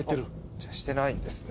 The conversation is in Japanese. じゃあしてないんですね。